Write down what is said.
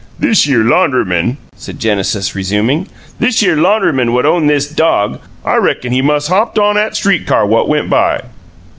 "Thishere laundryman," said Genesis, resuming "thishere laundryman what own the dog, I reckon he mus' hopped on 'at street car what went by."